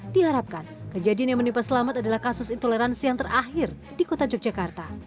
diharapkan kejadian yang menimpa selamat adalah kasus intoleransi yang terakhir di kota yogyakarta